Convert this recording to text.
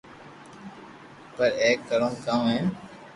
پر اپي ڪرو ڪاو ھين